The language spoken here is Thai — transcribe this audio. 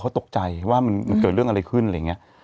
เขาตกใจว่ามันเกิดเรื่องอะไรขึ้นอะไรอย่างนี้